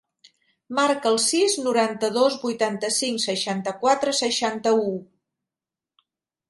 Marca el sis, noranta-dos, vuitanta-cinc, seixanta-quatre, seixanta-u.